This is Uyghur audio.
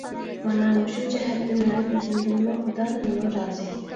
مانا مۇشۇ جەھەتتىن مەن ئۆزۈمدىنمۇ، خۇدادىنمۇ رازى.